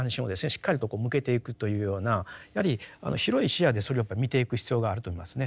しっかりと向けていくというようなやはり広い視野でそれをやっぱり見ていく必要があると思いますね。